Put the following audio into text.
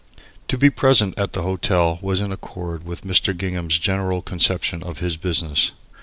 To be present at the hotel was in accord with Mr. Gingham's general conception of his business.